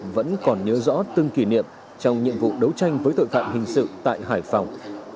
vẫn còn nhớ rõ từng kỷ niệm trong nhiệm vụ đấu tranh với tội phạm hình sự tại hải phòng